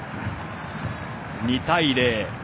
２対０。